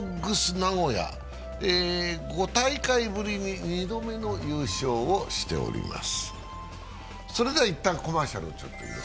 名古屋が５大会ぶりに２度目の優勝をしております。